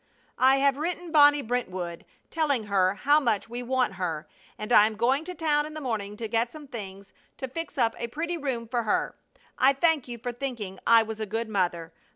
I have written Bonnie Brentwood, telling her how much we want her, and I am going to town in the morning to get some things to fix up a pretty room for her. I thank you for thinking I was a good mother.